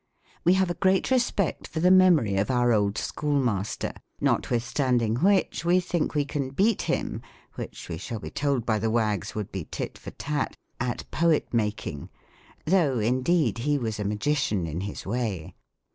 We have a great respect for the memory of our old schoolmaster ; notwithstanding which, we think we can beat him (which, we shall be told by the wags, would be tit for tat) at poet making, though, indeed, he was a magician in his way.